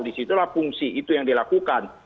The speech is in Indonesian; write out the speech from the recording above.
disitulah fungsi itu yang dilakukan